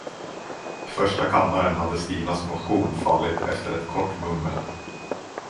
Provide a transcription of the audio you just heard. I första kammaren hade Stinas motion fallit efter ett kort mummel.